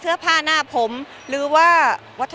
เนื้อหาดีกว่าน่ะเนื้อหาดีกว่าน่ะ